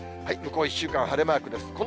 向こう１週間、晴れマークです。